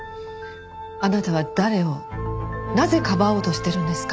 あなたは誰をなぜかばおうとしてるんですか？